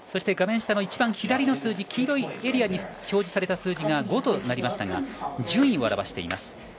画面下の一番左の数字黄色いエリアに表示された数字が５となりましたが順位を表しています。